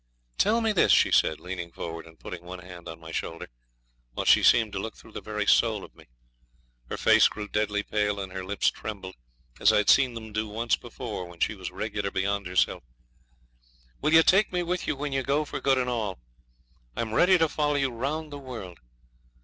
'Tell me this,' she said, leaning forward, and putting one hand on my shoulder, while she seemed to look through the very soul of me her face grew deadly pale, and her lips trembled, as I'd seen them do once before when she was regular beyond herself 'will you take me with you when you go for good and all? I'm ready to follow you round the world.